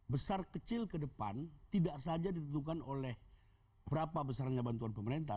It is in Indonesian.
besar kecil ke depan tidak saja ditentukan oleh berapa besarnya bantuan pemerintah